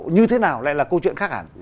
như thế nào lại là câu chuyện khác hẳn